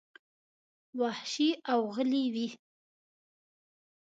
وحشي او غلي وې.